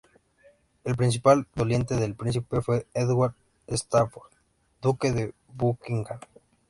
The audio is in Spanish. El principal doliente del príncipe fue Edward Stafford, duque de Buckingham.